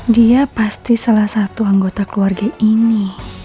dia pasti salah satu anggota keluarga ini